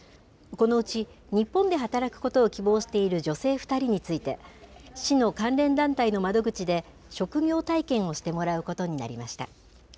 このうち、日本で働くことを希望している女性２人について、市の関連団体の窓口で、職業体験をしてもらうことになりました。